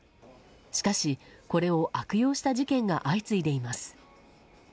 しかし、これを悪用した事件が相次いでいます。